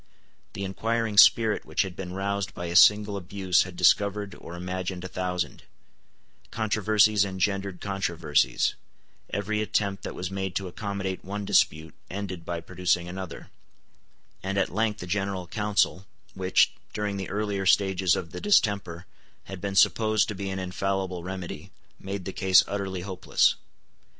The inquiring spirit which had been roused by a single abuse had discovered or imagined a thousand: controversies engendered controversies: every attempt that was made to accommodate one dispute ended by producing another; and at length a General Council, which, during the earlier stages of the distemper, had been supposed to be an infallible remedy, made the case utterly hopeless.